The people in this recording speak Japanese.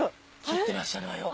切ってらっしゃるわよ。